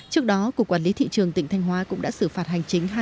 trước đó cục quản lý thị trường tỉnh thanh hóa cũng đã xử phạt hành chính